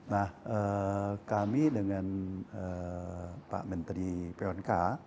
nah kami dengan pak menteri pmk